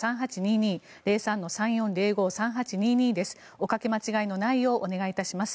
おかけ間違いのないようお願いいたします。